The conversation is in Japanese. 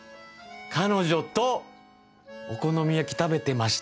彼女とお好み焼き食べてました！